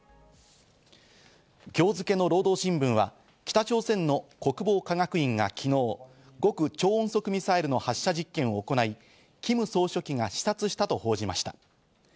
今日付の労働新聞は北朝鮮の国防科学院が昨日、極超音速ミサイルの発射実験を行い、キム総書記が視察したと報じました。